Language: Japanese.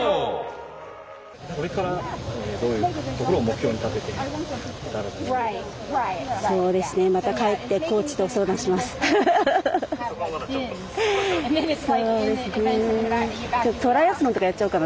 これからどういうところを目標にしますか。